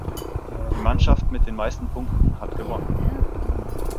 Die Mannschaft mit den meisten Punkten hat gewonnen.